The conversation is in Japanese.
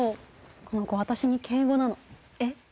この子私に敬語なのえっ？